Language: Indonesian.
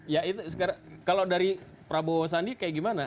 ya itu sekarang kalau dari prabowo sandi kayak gimana